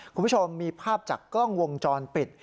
คุณผู้ชมมีภาพจากกล้องวงจรปิด